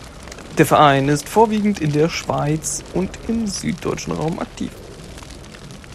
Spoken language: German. Der Verein ist vorwiegend in der Schweiz und im süddeutschen Raum aktiv.